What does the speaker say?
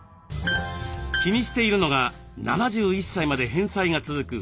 気にしているのが７１歳まで返済が続く